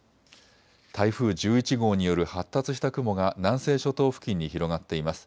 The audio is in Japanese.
台風１１号による発達した雲が南西諸島付近に広がっています。